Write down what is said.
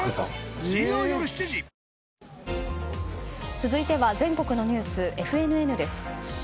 続いては、全国のニュースＦＮＮです。